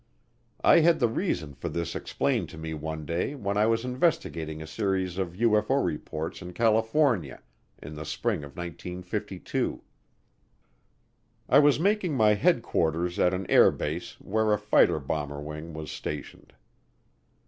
I had the reason for this explained to me one day when I was investigating a series of UFO reports in California in the spring of 1952. I was making my headquarters at an air base where a fighter bomber wing was stationed.